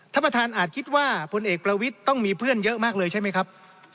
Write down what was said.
ท่านประธานอาจคิดว่าพลเอกประวิทย์ต้องมีเพื่อนเยอะมากเลยใช่ไหมครับ